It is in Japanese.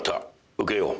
受けよう。